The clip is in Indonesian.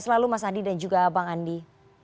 selalu mas adi dan juga bang andi